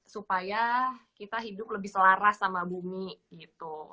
supaya kita hidup lebih selaras sama bumi gitu